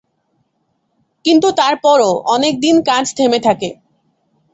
কিন্তু তারপরও অনেকদিন কাজ থেমে থাকে।